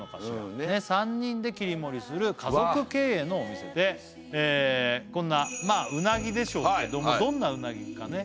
３人で切り盛りする家族経営のお店でこんなうなぎでしょうけどもどんなうなぎかね